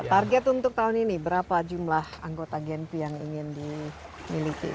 target untuk tahun ini berapa jumlah anggota genpi yang ingin dimiliki